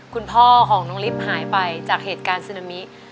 คุณพ่อของน้องลิฟต์หายไปจากเหตุการณ์ซึนามิ